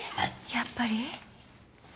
やっぱり？